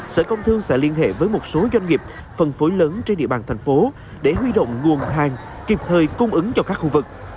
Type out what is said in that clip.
sở công thương sẽ liên hệ với một số doanh nghiệp phân phối lớn trên địa bàn thành phố để huy động nguồn hàng kịp thời cung ứng cho các khu vực